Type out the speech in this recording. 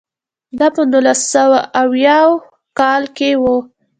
دا په نولس سوه اویاووه کال کې و.